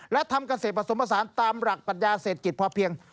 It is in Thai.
และทำกระเสพประสมภาษาตามหลักปัญญาเศรษฐกิจพอเพียง